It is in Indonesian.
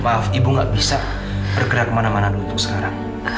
maaf ibu gak bisa bergerak kemana mana dulu untuk sekarang